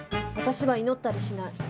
私は祈ったりしない。